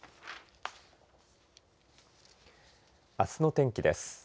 あすの天気です。